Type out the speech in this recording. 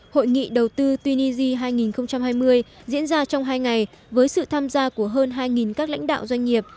hội nghị đầu tư tunisia hai nghìn hai mươi diễn ra trong hai ngày với sự tham gia của hơn hai các lãnh đạo doanh nghiệp